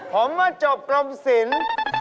ผมก็จบปริญญาเรียนกรมศิลป์